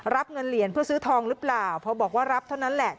รับเงินเหรียญเพื่อซื้อทองหรือเปล่าพอบอกว่ารับเท่านั้นแหละ